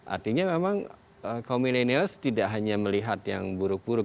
artinya memang kaum milenial tidak hanya melihat yang buruk buruk